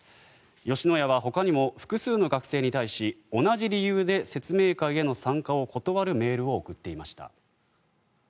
吉野家はほかにも複数の学生に対し同じ理由で説明会への参加を断るメールを送っていました。